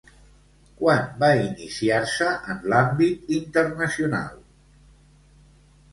Quan va iniciar-se en l'àmbit internacional?